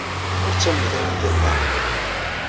Ur ttamnet ayen i d-yeqqar.